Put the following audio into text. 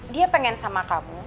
dia pengen sama kamu